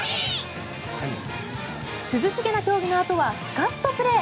涼しげな競技のあとはスカッとプレー。